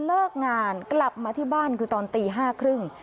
เลิกงานกลับมาที่บ้านคือตอนตี๕๓๐